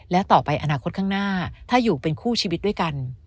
และต่อไปอนาคตข้างหน้าถ้าอยู่เป็นคู่ชีวิตด้วยกัน